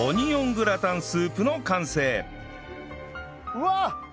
うわっ！